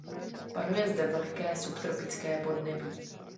Panuje zde vlhké subtropické podnebí.